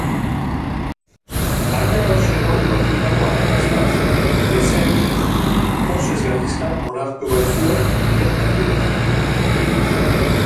Hain harro zegoen lortutako arrakastaz, ezen pozez gainezka onartu baitzuen nire errieta.